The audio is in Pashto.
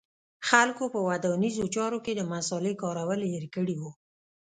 خلکو په ودانیزو چارو کې د مصالې کارول هېر کړي و